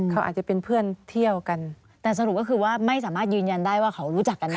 เขาอาจจะเป็นเพื่อนเที่ยวกันแต่สรุปก็คือว่าไม่สามารถยืนยันได้ว่าเขารู้จักกันได้